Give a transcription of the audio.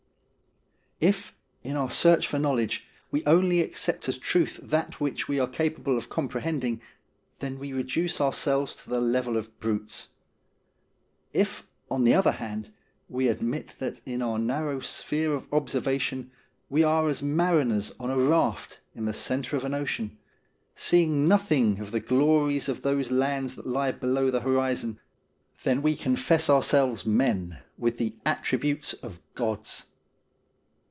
If, in our search for knowledge, we only accept as truth that which we are capable of comprehending, then we reduce ourselves to the level of the brutes. If, on the other hand, we admit that in our narrowed sphere of observation we are as mariners on a raft in the centre of an ocean, seeing nothing of the glories of those lands that lie below the horizon, then we confess our selves men, with the attributes of gods.